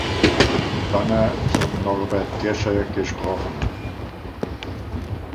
Banner von Norbert Gescher gesprochen.